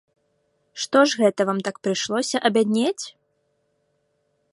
Што ж гэта вам так прыйшлося абяднець?